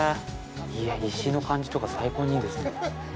いやぁ、石の感じとか、最高にいいですね。